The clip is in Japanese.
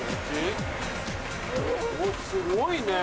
すごいね。